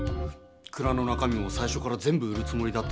蔵の中身もさいしょから全部売るつもりだったんだし。